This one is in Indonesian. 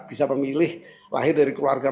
bisa pemilih lahir dari keluarga